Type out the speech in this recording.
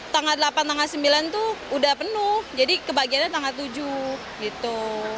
tanggal delapan tanggal sembilan tuh udah penuh jadi kebagiannya tanggal tujuh gitu